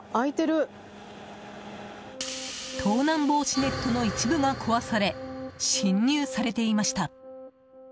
盗難防止ネットの一部が壊され侵入されていました。